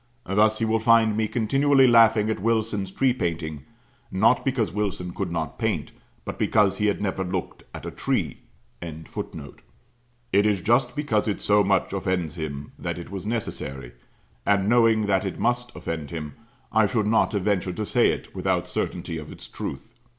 Thus he will find me continually laughing at Wilson's tree painting; not because Wilson could not paint, but because he had never looked at a tree.] It is just because it so much offends him, that it was necessary: and knowing that it must offend him, I should not have ventured to say it, without certainty of its truth.